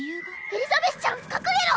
エリザベスちゃん隠れろ！